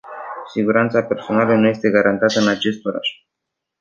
Siguranța personală nu este garantată în acest oraș...